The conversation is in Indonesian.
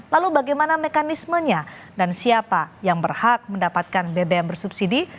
lalu bagaimana mekanismenya dan siapa yang berhak mendapatkan bbm bersubsidi